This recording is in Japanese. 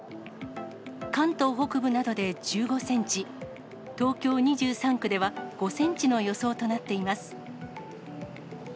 関東北部などで１５センチ、東京２３区では５センチの予想となっています。